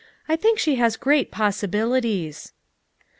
"I think she has great possibilities.